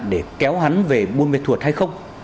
để kéo hắn về buôn mệt thuật hay không